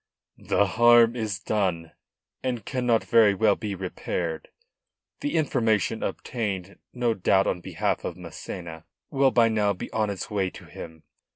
"The harm is done, and cannot very well be repaired. The information obtained, no doubt on behalf of Massena, will by now be on its way to him.